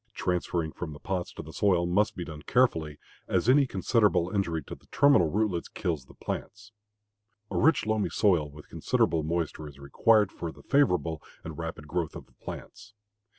Transferring from the pots to the soil must be done carefully, as any considerable injury to the terminal rootlets kills the plants. A rich, loamy soil with considerable moisture is required for the favorable and rapid growth of the plants.